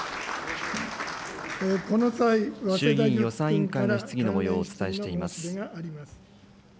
衆議院予算委員会の質疑のもようをお伝えしています。